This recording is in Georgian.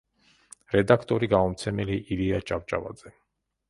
რედაქტორი-გამომცემელი ილია ჭავჭავაძე.